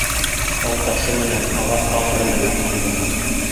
Тау ташы менән, ағас тамыры менән ныҡлы.